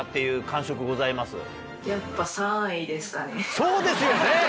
そうですよね！